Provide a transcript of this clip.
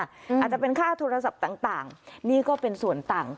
อาจจะเป็นค่าโทรศัพท์ต่างนี่ก็เป็นส่วนต่าง